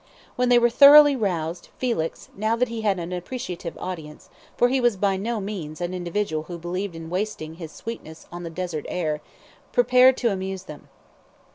When they were thoroughly roused, Felix, now that he had an appreciative audience, for he was by no means an individual who believed in wasting his sweetness on the desert air, prepared to amuse them.